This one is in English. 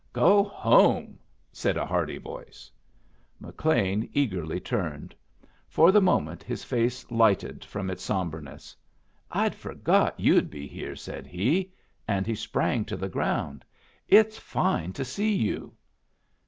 "Go home!" said a hearty voice. McLean eagerly turned. For the moment his face lighted from its sombreness. "I'd forgot you'd be here," said he. And he sprang to the ground. "It's fine to see you."